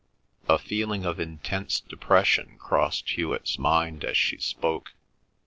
A feeling of intense depression crossed Hewet's mind as she spoke.